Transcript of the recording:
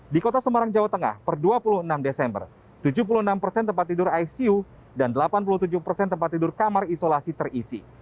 di kota semarang jawa tengah per dua puluh enam desember tujuh puluh enam persen tempat tidur icu dan delapan puluh tujuh persen tempat tidur kamar isolasi terisi